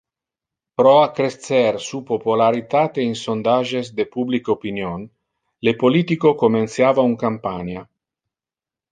Pro accrescer su popularitate in sondages de public-opinion, le politico comenciava un campania.